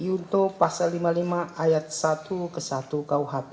untuk pasal lima ayat satu ke satu kuhp